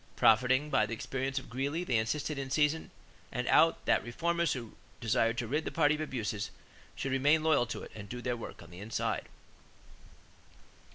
Profiting by the experience of Greeley they insisted in season and out that reformers who desired to rid the party of abuses should remain loyal to it and do their work "on the inside."